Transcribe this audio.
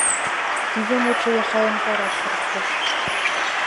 Тиде мутшо Яшайым утларак сырыктыш: